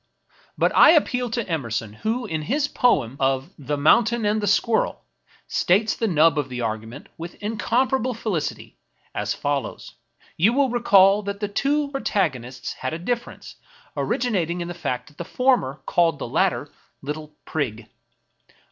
" But I appeal to Emerson, who, in his poem of " The Mountain and the Squirrel," states the nub of the argument, with incomparable feUcity, as follows :— you will recall that the two protagonists had a difference, originating in the fact that the former called the latter '* Little Prig."